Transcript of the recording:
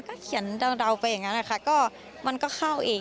ก็เขียนเดาไปอย่างนั้นนะคะก็มันก็เข้าเอง